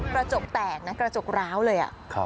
กระจกแตกราวเลย